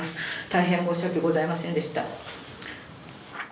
「大変申し訳ございませんでした」